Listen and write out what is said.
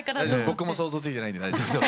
僕も想像できてないんで大丈夫です。